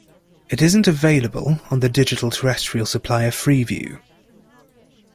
It isn't available on the digital terrestrial supplier Freeview.